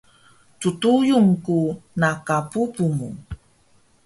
ttuyun ku na ka bubu mu